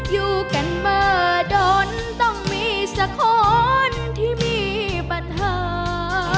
อยู่กันเมื่อดนต้องมีสักคนที่มีปัญหา